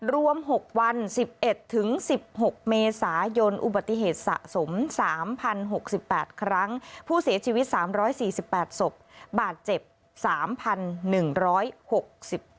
รวม๖วัน๑๑ถึง๑๖เมษายนอุบัติเหตุสะสม๓๐๖๘ครั้งผู้เสียชีวิต๓๔๘ศพบาดเจ็บ๓๑๖